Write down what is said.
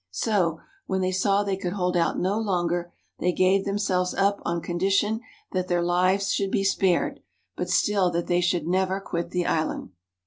So, when they saw they could hold out no longer, they gave themselves up on condition that their lives should be spared, but still that they should never quit the island.